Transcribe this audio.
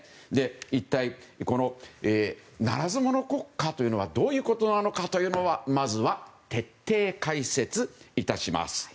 一体、ならず者国家というのはどういうことなのかまずは徹底解説いたします。